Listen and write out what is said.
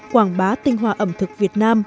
quảng bá tinh hoa ẩm thực việt nam